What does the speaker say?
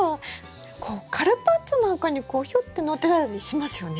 こうカルパッチョなんかにこうヒョッてのってたりしますよね。